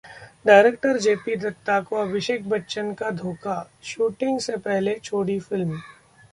director JP Dutta को अभिषेक बच्चन का धोखा, शूटिंग से पहले छोड़ी फिल्म